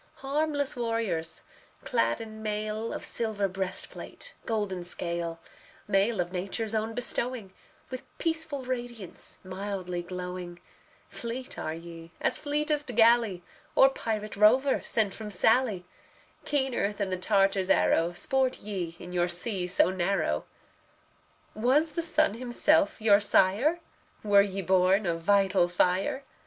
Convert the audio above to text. Harmless warriors, clad in mail Of silver breastplate, golden scale; Mail of Nature's own bestowing, With peaceful radiance, mildly glowing Fleet are ye as fleetest galley Or pirate rover sent from Sallee; Keener than the Tartar's arrow, Sport ye in your sea so narrow. Was the sun himself your sire? Were ye born of vital fire?